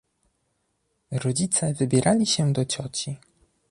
Rodzice wybierali się do cioci.